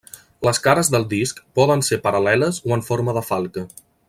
Les cares del disc poden ser paral·leles o en forma de falca.